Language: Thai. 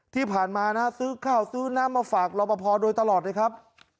ที่ผ่านมานะฮะซื้อข้าวซื้อน้ำมาฝากรอปภโดยตลอดเลยครับ